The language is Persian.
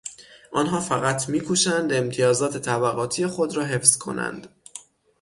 آنها فقط میکوشند امتیازات طبقاتی خود را حفظ کنند.